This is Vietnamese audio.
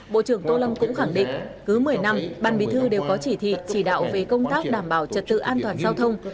bộ trưởng tô lâm cũng khẳng định cứ một mươi năm ban bí thư đều có chỉ thị chỉ đạo về công tác đảm bảo trật tự an toàn giao thông